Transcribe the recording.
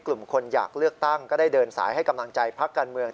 กลุ่มคนอยากเลือกตั้งก็ได้เดินสายให้กำลังใจพักการเมือง